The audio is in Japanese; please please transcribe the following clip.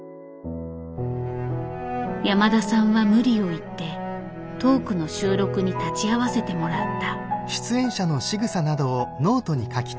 山田さんは無理を言ってトークの収録に立ち会わせてもらった。